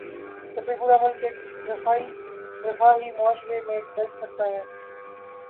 تو پھر پورا ملک ایک رفاہی معاشرے میں ڈھل سکتا ہے۔